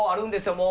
もう。